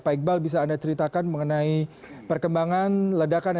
pak iqbal bisa anda ceritakan mengenai perkembangan ledakan